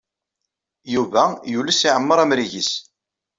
Yuba yules iɛemmeṛ amrig-nnes.